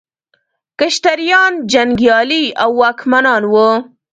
کشتریان جنګیالي او واکمنان وو.